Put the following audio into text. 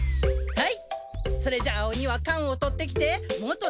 はい。